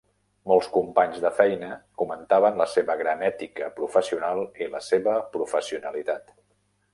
Molts companys de feina comentaven la seva gran ètica professional i la seva professionalitat.